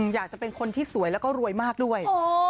อยากจะเป็นคนที่สวยแล้วก็รวยมากด้วย